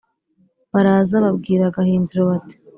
baraza babwira gahindiro bati